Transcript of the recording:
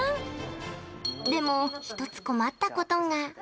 でも、１つ困ったことが。